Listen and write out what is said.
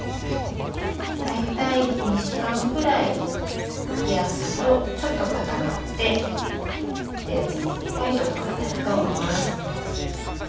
大体２時間くらい冷やすとちょっと固まってレアチーズっぽい食感になると思います。